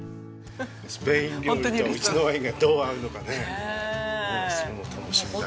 スペイン料理とうちのワインがどう合うのかねすごく楽しみだし。